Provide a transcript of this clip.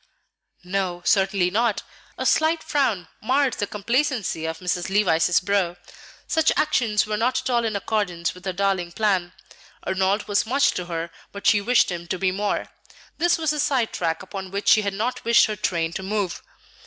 "No; certainly not." A slight frown marred the complacency of Mrs. Levice's brow. Such actions were not at all in accordance with her darling plan. Arnold was much to her; but she wished him to be more. This was a side track upon which she had not wished her train to move.